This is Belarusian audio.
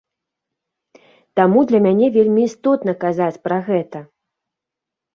Таму для мяне вельмі істотна казаць пра гэта.